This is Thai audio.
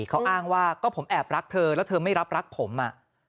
เขาอ้างว่าก็ผมแอบรักเธอแล้วเธอไม่รับรักผมอ่ะ